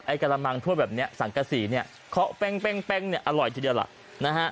ไอ้กระมังทั่วแบบนี้สังกัศรีเนี่ยเขาแป้งเนี่ยอร่อยทีเดียวล่ะนะฮะ